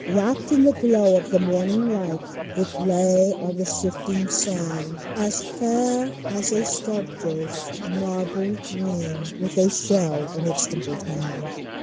Wrapped in the glow of the morning light, It lay on the shifting sand, As fair as a sculptor's marble dream, With a shell in its dimpled hand.